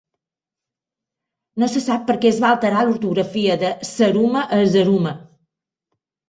No se sap per què es va alterar l'ortografia de "Saruma" a "Zaruma".